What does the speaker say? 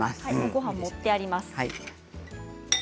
ごはんが盛ってあります。